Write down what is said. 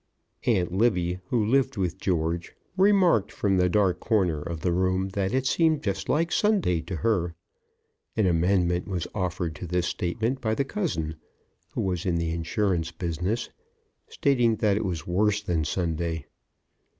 Aunt Libbie, who lived with George, remarked from the dark corner of the room that it seemed just like Sunday to her. An amendment was offered to this statement by the cousin, who was in the insurance business, stating that it was worse than Sunday.